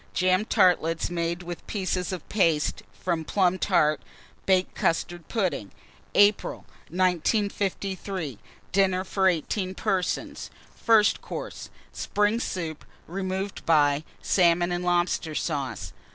Jam tartlets made with pieces of paste from plum tart, baked custard pudding. APRIL. 1953. DINNER FOR 18 PERSONS. First Course. Spring Soup, removed by Salmon and Lobster Sauce.